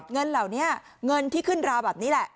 เงินเหล่านี้เงินที่ขึ้นราวแบบนี้แหละ